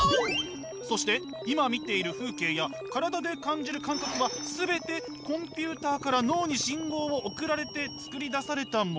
そして今見ている風景や体で感じる感覚はコンピューターから脳に信号を送られて作り出されたもの。